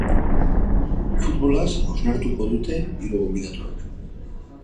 Futbolaz hausnartuko dute hiru gonbidatuek.